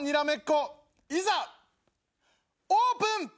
いざオープン！